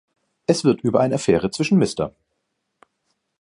Es wird über eine Affäre zwischen Mr.